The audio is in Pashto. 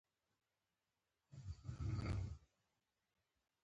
کولو امکان ضعیف دی.